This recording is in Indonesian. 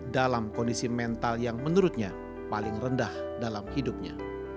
dalam kondisi mental yang menurutnya paling rendah dalam hidupnya